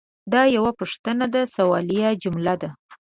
دا یوه پوښتنه ده – سوالیه جمله ده.